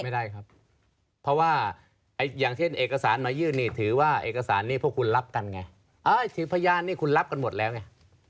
ไม่ได้ครับเพราะว่าอย่างเช่นเอกสารมายื่นนี่ถือว่าเอกสารนี้พวกคุณรับกันไงสื่อพยานนี่คุณรับกันหมดแล้วไง